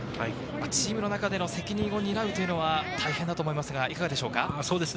チームの中での責任を担うというのは大変だと思いますが、いかがですか？